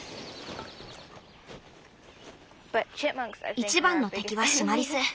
一番の敵はシマリス。